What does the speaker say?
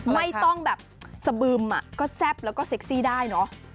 ไม่ต้องแบบสะบึมก็แซ่บแล้วก็เซ็กซี่ได้เนอะ